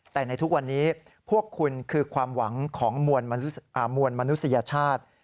แต่ในทุกวันนี้พวกคุณคือความหวังของมวลมนุษยชาติ